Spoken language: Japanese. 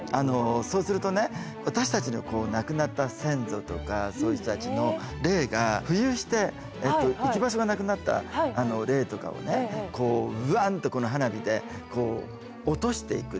そうするとね私たちの亡くなった先祖とかそういう人たちの霊が浮遊して行き場所がなくなった霊とかをねこう「ウワン！」とこの花火で落としていくっていうね。